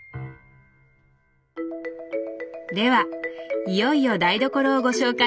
ではいよいよ台所をご紹介頂けますか。